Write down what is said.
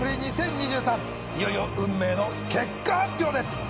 いよいよ運命の結果発表です